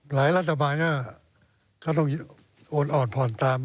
หลายรัฐบาลก็ต้องอ่อนผ่อนตาม